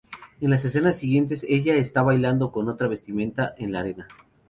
En las escenas siguientes, ella está bailando con otra vestimenta en la arena.